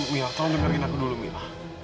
mila kau dengerin aku dulu mila